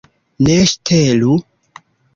Ne ŝtelu.